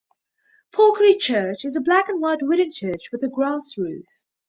Porkeri Church is a black and white wooden church with grass roof.